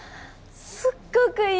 すっごくいい！